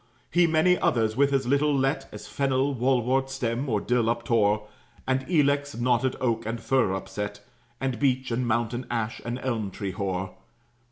He many others, with as little let As fennel, wall wort stem, or dill uptore; And ilex, knotted oak, and fir upset, And beech and mountain ash, and elm tree hoar.